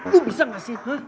lu bisa gak sih